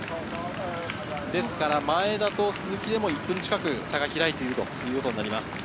ですから前田と鈴木はもう１分近く差が開いていることになります。